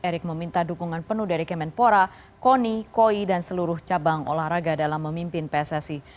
erick meminta dukungan penuh dari kemenpora koni koi dan seluruh cabang olahraga dalam memimpin pssi